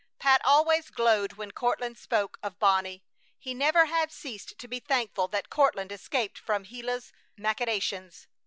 Pat always glowed when Courtland spoke of Bonnie. He never had ceased to be thankful that Courtland escaped from Gila's machinations.